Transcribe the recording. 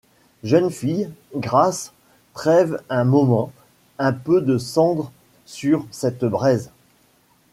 Jeune fille, grâce! trêve un moment ! un peu de cendre sur cette braise !